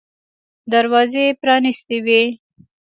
دروازې پرانیستې وې.